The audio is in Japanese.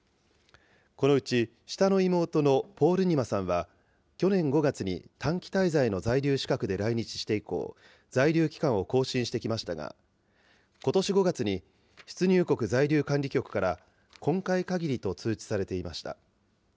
このうち下の妹のポールニマさんは去年５月に、短期滞在の在留資格で来日して以降、在留期間を更新してきましたが、ことし５月に、出入国在留管理局から今回かぎりと通知されていました。